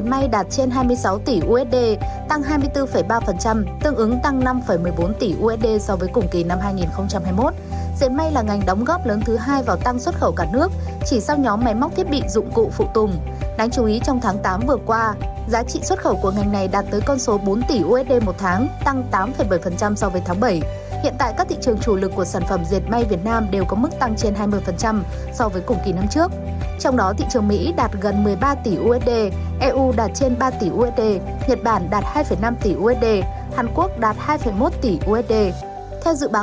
các bạn hãy đăng ký kênh để ủng hộ kênh của chúng mình nhé